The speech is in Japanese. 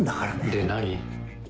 で何？